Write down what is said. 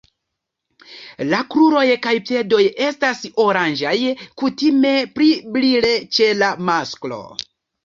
La kruroj kaj piedoj estas oranĝaj, kutime pli brile ĉe la masklo.